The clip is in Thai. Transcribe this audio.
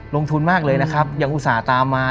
ลงทุนมากเลยนะครับยังอุตส่าห์ตามมา